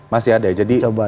masih ada ya